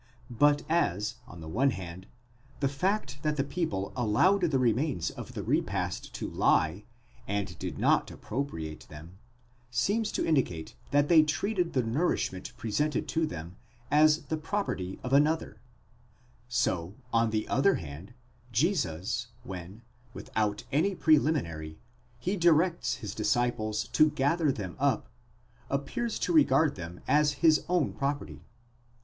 But as, on the one hand, the fact that the people allowed the remains of the repast to lie, and did not appropriate them, seems to indicate that they treated the nourishment presented to them as the property of another; so, on the other hand, Jesus, when, without any preliminary, he directs his disciples to gather them up, appears to regard them as his own property.